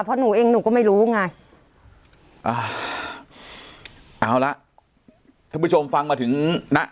เพราะหนูเองหนูก็ไม่รู้ไงอ่าเอาละท่านผู้ชมฟังมาถึงนะ